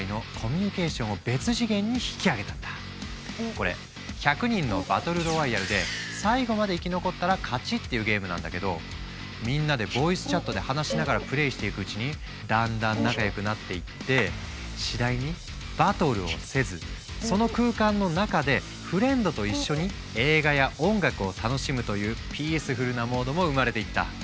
これ１００人のバトルロワイヤルで最後まで生き残ったら勝ちっていうゲームなんだけどみんなでボイスチャットで話しながらプレイしていくうちにだんだん仲良くなっていって次第にバトルをせずというピースフルなモードも生まれていった。